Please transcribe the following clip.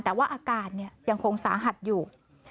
แต่ว่าอาการยังคงสาหัสอยู่